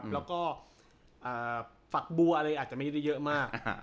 แล้วก็ฝักบัวอะไรอาจจะไม่ได้เยอะมาก